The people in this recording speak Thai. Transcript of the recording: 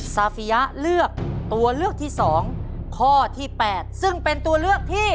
ซาฟิยะเลือกตัวเลือกที่๒ข้อที่๘ซึ่งเป็นตัวเลือกที่